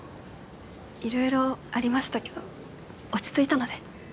いろいろありましたけど落ち着いたので。